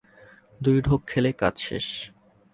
দুই ঢোক খেলেই কাজ শেষ।